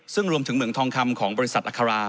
ซึ่งรวมถึงเหมืองทองคำของบริษัทอัครา